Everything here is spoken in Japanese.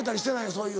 そういう。